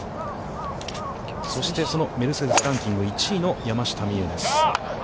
そして、そのメルセデス・ランキング１位の山下美夢有です。